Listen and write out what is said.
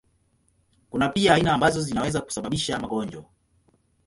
Kuna pia aina ambazo zinaweza kusababisha magonjwa.